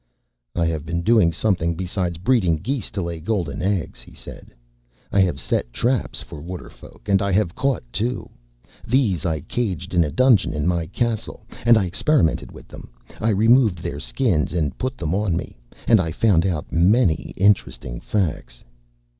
"I have been doing something besides breeding geese to lay golden eggs," he said. "I have set traps for Waterfolk, and I have caught two. These I caged in a dungeon in my castle, and I experimented with them. I removed their Skins and put them on me, and I found out many interesting facts."